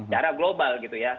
darah global gitu ya